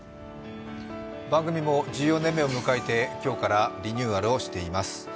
番組も１４年目を迎えて今日からリニューアルをしています。